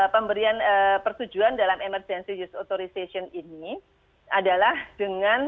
pemberian persetujuan dalam emergency use authorization ini adalah dengan